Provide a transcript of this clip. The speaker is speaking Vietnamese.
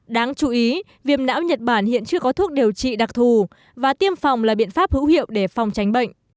đáng chú ý viêm não nhật bản hiện chưa có thuốc điều trị đặc thù và tiêm phòng là biện pháp hữu hiệu để phòng tránh bệnh